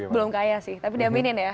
belum kaya sih tapi diaminin ya